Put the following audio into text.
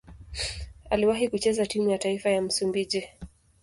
Aliwahi kucheza timu ya taifa ya Msumbiji.